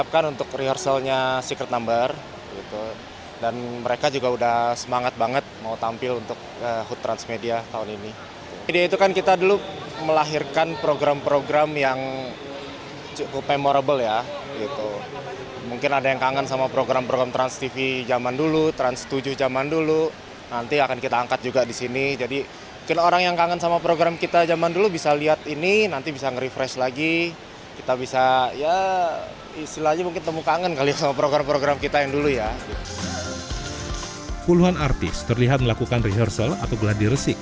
kuluhan artis terlihat melakukan rehearsal atau gladiarsik